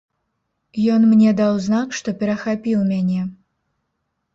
Ён мне даў знак, што перахапіў мяне.